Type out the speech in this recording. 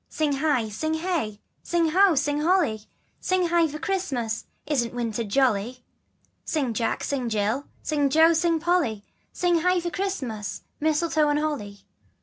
Sing hie, sing hey, Sing ho, Sing holly, Sing hie for Christmas! Isn't winter jolly ? Sing Jack, Sing Jill, Sing Jo, Sing Polly, Sing hie for Christmas, Mistletoe and Holly.